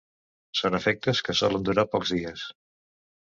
Són efectes que solen durar pocs dies.